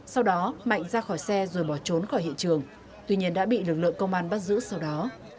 sau đó mạnh ra khỏi xe rồi bỏ trốn khỏi hiện trường tuy nhiên đã bị lực lượng công an bắt giữ sau đó